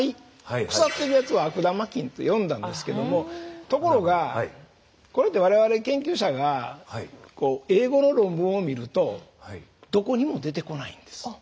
腐っていくやつは悪玉菌と呼んだんですけどもところがこれって我々研究者が英語の論文を見るとどこにも出てこないんです。